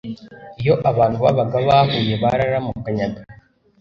iyo abantu babaga bahuye bararamukanyaga,